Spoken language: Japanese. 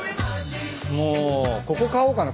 もうここ買おうかな